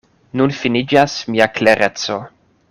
Nun finiĝas mia klereco.